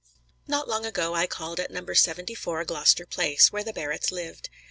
Not long ago I called at Number Seventy four Gloucester Place, where the Barretts lived.